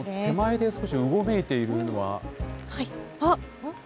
手前で少し、うごめいているのは。